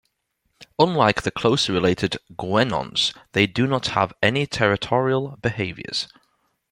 Unlike the closely related guenons, they do not have any territorial behaviors.